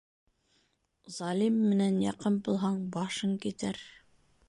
Залим менән яҡын булһаң, башың китер.